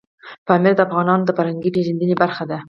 پامیر د افغانانو د فرهنګي پیژندنې برخه ده.